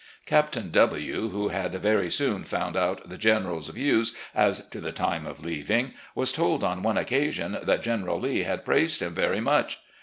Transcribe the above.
Captain W. , who had very soon found out the General's views as to the time of leaving, was told on one occasion that General Lee had praised him very much.